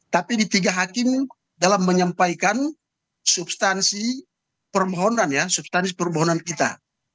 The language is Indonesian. tapi di tiga hakim dalam menyampaikan substansi permohonan ya substanis permohonan kita